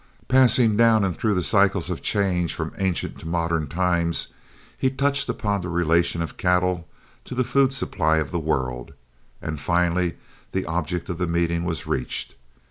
Passing down and through the cycles of change from ancient to modern times, he touched upon the relation of cattle to the food supply of the world, and finally the object of the meeting was reached.